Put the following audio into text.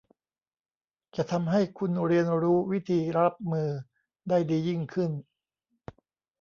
จะทำให้คุณเรียนรู้วิธีรับมือได้ดียิ่งขึ้น